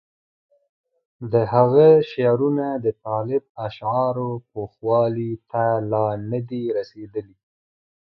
د هغه شعرونه د طالب اشعارو پوخوالي ته لا نه دي رسېدلي.